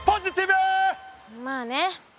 まあね。